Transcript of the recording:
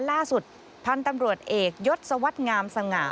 ล่าสุดพันธุ์ตำรวจเอกยฤทธิ์สวัสดิ์งามสมหง่า